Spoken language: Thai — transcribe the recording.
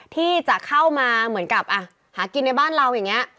ที่จะเข้ามาเหมือนกับหากินในบ้านเราอย่างนี้